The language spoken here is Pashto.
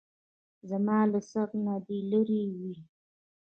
زما له سر نه دې لېرې وي.